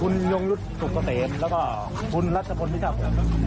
คุณยงรุศสุขเตรนแล้วก็คุณรัชพนธ์วิทยาหัวผม